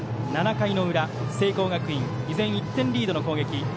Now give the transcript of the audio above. ７回の裏、聖光学院依然１点リードの攻撃。